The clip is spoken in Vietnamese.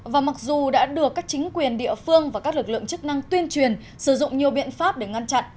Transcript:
và mặc dù đã được các chính quyền địa phương và các lực lượng chức năng tuyên truyền sử dụng nhiều biện pháp để ngăn chặn